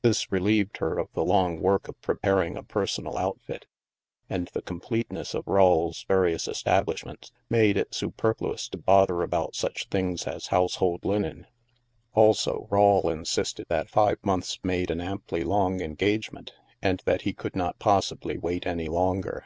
This relieved her of the long work of preparing a personal outfit, and the completeness of Rawle's various establishments STILL WATERS . loi made it superfluous to bother about such things as household linen. Also, Rawle insisted that five months made an amply long engagement, and that he could not possibly wait any longer.